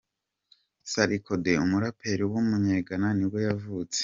Sarkodie, umuraperi w’umunye-Ghana nibwo yavutse.